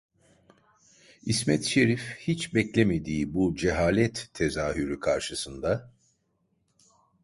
İsmet Şerif hiç beklemediği bu cehalet tezahürü karşısında: